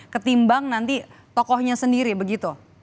ketimbang nanti tokohnya sendiri begitu